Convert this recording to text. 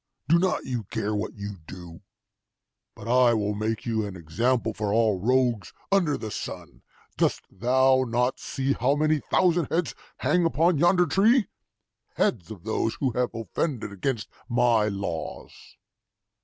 Do not you care what you do? But I will make you an example for all rogues under the sun! Dost thou not see how many thousand heads hang upon yonder tree heads of those who have offended against my laws?